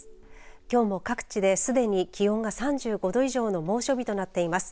きょうも各地ですでに気温が３５度以上の猛暑日となっています。